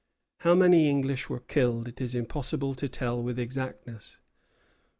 How many English were killed it is impossible to tell with exactness.